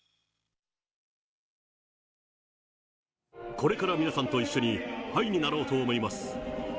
これから皆さんと一緒にハイになろうと思います。